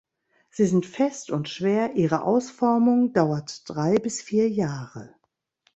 Sie sind fest und schwer, ihre Ausformung dauert drei bis vier Jahre.